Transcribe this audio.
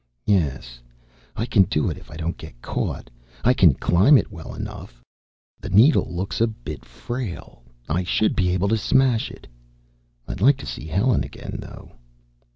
"Yes, I can do it! If I don't get caught! I can climb it, well enough. The needle looks a bit frail. I should be able to smash it! I'd like to see Helen again, though."